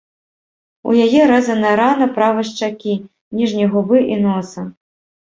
У яе рэзаная рана правай шчакі, ніжняй губы і носа.